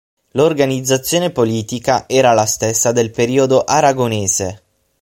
L'organizzazione politica era la stessa del periodo aragonese.